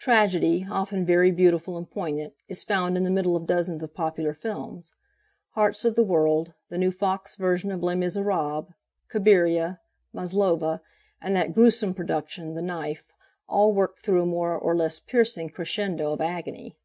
Tragedy, often very beautiful and poignant, is found in the middle of dozens of popular films. "Hearts of the World," the new Fox version of "Les Miserables," "Cabiria," "Maslova," and that gruesome production "The Knife," all work through a more or less piercing crescendo of agony.